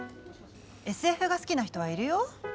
ＳＦが好きな人はいるよ？